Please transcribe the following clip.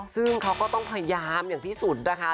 ซึ่งเขาก็ต้องพยายามอย่างที่สุดนะคะ